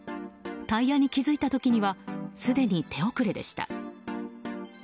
タイヤに気づいた時にはすでに手遅れでした。